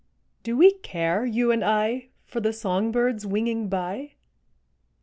Do we care, you and I, For the songbirds winging by?